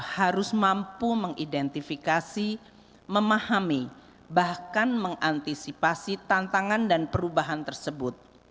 harus mampu mengidentifikasi memahami bahkan mengantisipasi tantangan dan perubahan tersebut